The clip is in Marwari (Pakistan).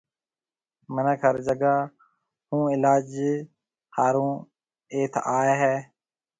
منک ھر جگھہ کان علاج لائيَ ھتيَ اچن ٿا